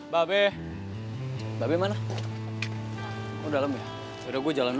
babe bebe mana udah lem ya udah gue jalan